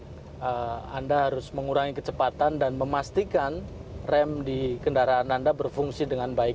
karena anda harus mengurangi kecepatan dan memastikan rem di kendaraan anda berfungsi dengan baik